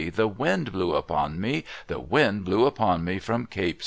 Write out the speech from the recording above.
The wind blew upon me! The wind blew upon me from Cape St. James!"